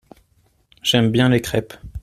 J’aime bien les crêpes.